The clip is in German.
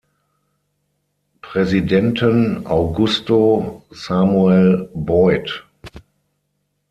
Präsidenten Augusto Samuel Boyd.